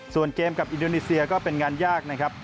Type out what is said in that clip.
ส่วนเกมกับอินโดนีเซียก็เป็นงานยากนะครับ